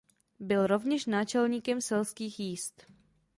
Byl rovněž náčelníkem Selských jízd.